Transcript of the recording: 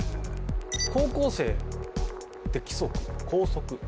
高校生って規則校則。